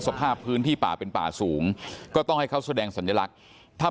สภาพพื้นที่ป่าเป็นป่าสูงก็ต้องให้เขาแสดงสัญลักษณ์ถ้า